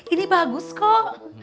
ini bagus kok